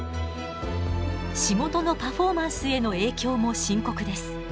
仕事のパフォーマンスへの影響も深刻です。